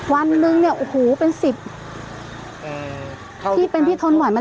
วันหนึ่งเนี้ยโอ้โหเป็นสิบอืมพี่เป็นพี่ทนหวัยไหม